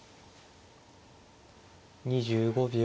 ２５秒。